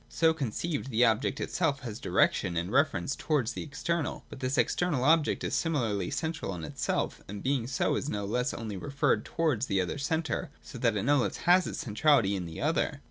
So conceived, the object itself has direc tion and reference towards the external. But this external object is similarly central in itself, and being so, is no less only referred towards the other centre ; so that it no less has its centrality in the other.